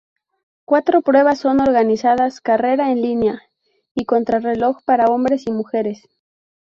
Cuatro pruebas son organizadas: carrera en línea y contrarreloj para hombres y mujeres.